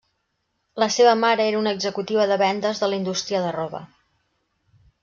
La seva mare era una executiva de vendes de la indústria de roba.